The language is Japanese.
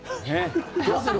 どうする？